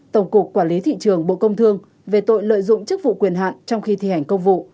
tổng cục quản lý thị trường bộ công thương về tội lợi dụng chức vụ quyền hạn trong khi thi hành công vụ